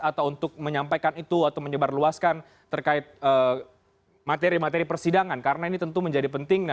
atau untuk menyampaikan itu atau menyebarluaskan terkait materi materi persidangan karena ini tentu menjadi penting